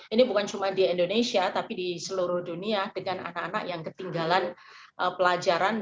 ini bukan cuma di indonesia tapi di seluruh dunia dengan anak anak yang ketinggalan pelajaran